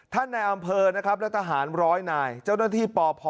ในอำเภอนะครับและทหารร้อยนายเจ้าหน้าที่ปพ